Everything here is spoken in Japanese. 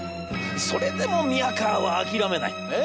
それでも宮河は諦めない。